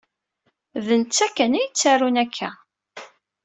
D netta kan au yettarun akka.